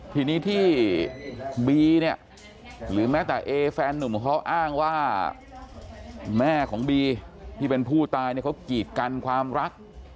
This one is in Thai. ทีนี้ที่บีเนี่ยหรือแม้แต่เอแฟนหนุ่มของเขาอ้างว่าแม่ของบีที่เป็นผู้ตายเนี่ยเขากีดกันความรัก